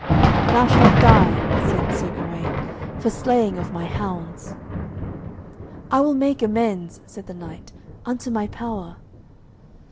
"Thou shalt die," said Sir Gawaine, "for slaying of my hounds." "I will make amends," said the knight, "unto my power."